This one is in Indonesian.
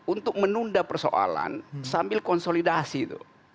untuk menunda persoalan sambil konsolidasi itu